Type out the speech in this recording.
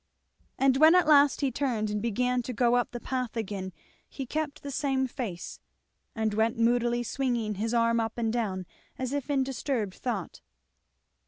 And when at last he turned and began to go up the path again he kept the same face, and went moodily swinging his arm up and down, as if in disturbed thought.